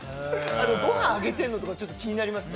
ご飯揚げてるのとかちょっと気になりますね。